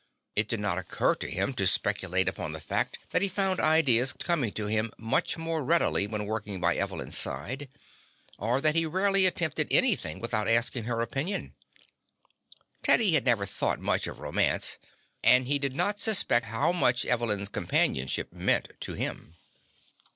It did not occur to him to speculate upon the fact that he found ideas coming to him much more readily when working by Evelyn's side, or that he rarely attempted anything without asking her opinion. Teddy had never thought much of romance, and he did not suspect how much Evelyn's companionship meant to him.